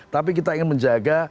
tapi kita ingin menjaga